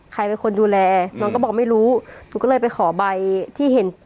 ใครเป็นคนดูแลน้องก็บอกไม่รู้หนูก็เลยไปขอใบที่เห็น